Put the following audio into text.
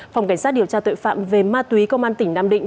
phòng cảnh sát điều tra tội phạm về ma túy công an tỉnh nam định